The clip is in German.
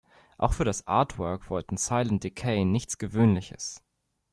Auch für das Artwork wollten Silent Decay nichts Gewöhnliches.